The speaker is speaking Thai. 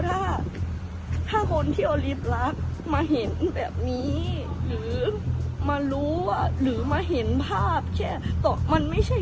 ถ้าถ้าคนที่เอาลิฟต์รักมาเห็นแบบนี้หรือมารู้หรือมาเห็นภาพแค่ตกมันไม่ใช่